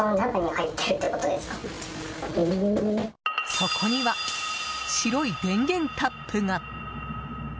そこには、白い電源タップが。